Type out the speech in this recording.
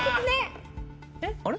あれ？